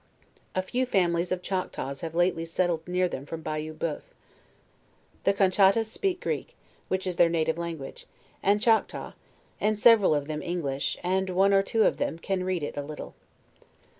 A few families of Chactaws have lately settled near them from Bayou Boeuf. The Conchattas sneak Greek, which is their native language, and Chactaw, and several of them English, and one or two of them can read it a little.